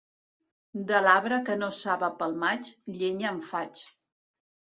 De l'arbre que no saba pel maig, llenya en faig.